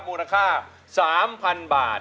มูลค่า๓๐๐๐บาท